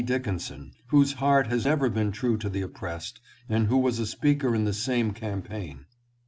Dickinson, whose heart has ever been true to the oppressed, and who was a speaker in the same campaign.